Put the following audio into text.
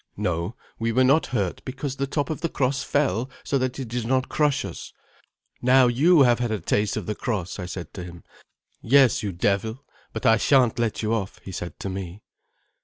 No, we were not hurt, because the top of the cross fell so that it did not crush us. 'Now you have had a taste of the cross,' I said to him. 'Yes, you devil, but I shan't let you off,' he said to me.